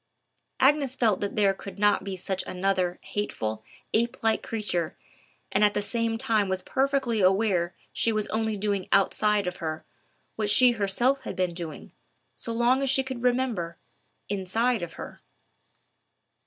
Agnes felt that there could not be such another hateful, ape like creature, and at the same time was perfectly aware she was only doing outside of her what she herself had been doing, as long as she could remember, inside of her.